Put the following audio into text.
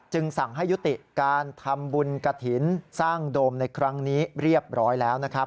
สั่งให้ยุติการทำบุญกระถิ่นสร้างโดมในครั้งนี้เรียบร้อยแล้วนะครับ